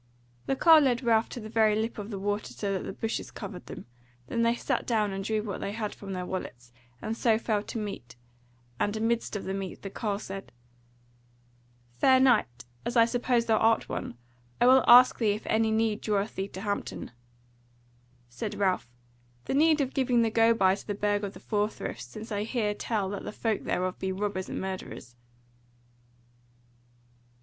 The carle led Ralph to the very lip of the water so that the bushes covered them; there they sat down and drew what they had from their wallets, and so fell to meat; and amidst of the meat the carle said: "Fair Knight, as I suppose thou art one, I will ask thee if any need draweth thee to Hampton?" Said Ralph: "The need of giving the go by to the Burg of the Four Friths, since I hear tell that the folk thereof be robbers and murderers."